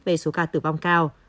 về số ca tử vong cao